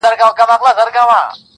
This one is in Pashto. موږ به کله برابر سو له سیالانو؛